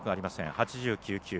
８９球。